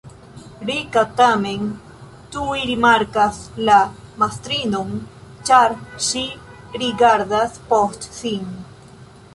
Rika tamen tuj rimarkas la mastrinon, ĉar ŝi rigardas post sin.